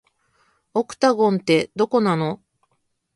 オクタゴンって、どこなの